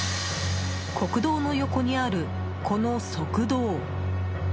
国道の横にある、この側道。